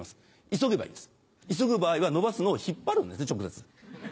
急げばいいんです急ぐ場合は伸ばすのを引っ張るんです直接。